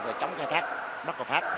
về chống khai thác bắc cầu pháp